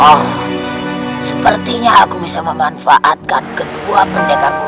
oh sepertinya aku bisa memanfaatkan kedua pendekarmu